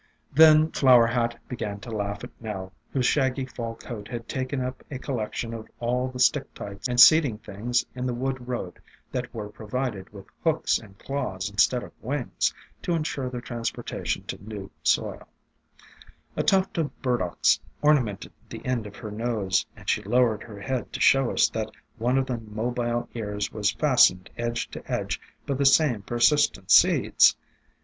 Then Flower Hat began to laugh at Nell, TH£ FROST TftA.CERlES UPON THE WINDOW ££•' CONCEAL THE WIDE OUTDOORS." AFTERMATH 333 whose shaggy Fall coat had taken up a collection of all the stick tights and seed ing things in the wood road that were pro vided with hooks and claws instead of wings to ensure their transportation to new soil. A tuft of Burdocks ornamented the end of her nose, and she lowered her head to show us that one of the mobile ears was fastened edge to edge by the same persistent seeds.